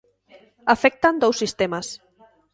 Afectan dous sistemas.